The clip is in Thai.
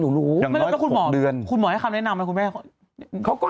หนูรู้อย่างน้อยหกเดือนคุณหมอคุณหมอให้คำแนะนำนะคุณแม่เขาก็